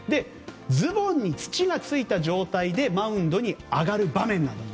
ズボンに土がついた状態でマウンドに上がる場面なんだと。